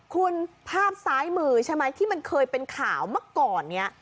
คุณภาพซ้ายมือใช่ไหมที่มันเคยเป็นข่าวเมื่อก่อนเนี่ย